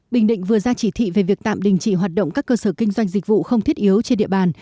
bình định vừa ra chỉ thị về việc tạm đình chỉ hoạt động các cơ sở kinh doanh dịch vụ không thiết yếu trên địa bàn